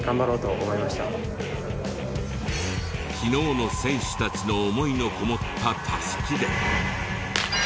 昨日の選手たちの思いのこもったタスキで。